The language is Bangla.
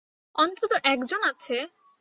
অন্তত একজন আছে।